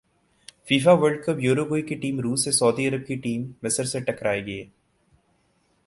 FIFA world cup Uruguay کی team روس سے سعودی عرب کی ٹیم مصر سے ٹکرائے گی